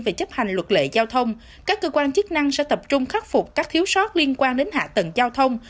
và lực lệ giao thông các cơ quan chức năng sẽ tập trung khắc phục các thiếu sót liên quan đến hạ tầng giao thông